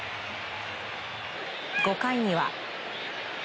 ５回には。